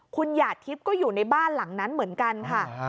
คุณหยาดทิพย์ก็อยู่ในบ้านหลังนั้นเหมือนกันค่ะ